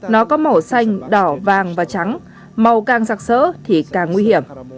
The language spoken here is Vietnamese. nó có màu xanh đỏ vàng và trắng màu càng sạc sỡ thì càng nguy hiểm